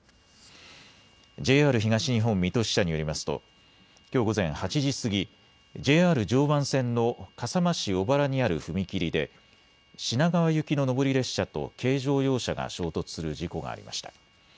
ＪＲ東日本水戸支社によりますときょう午前８時過ぎＪＲ常磐線の笠間市小原にある踏切で品川行きの上り列車と軽乗用車が衝突する事故がありました。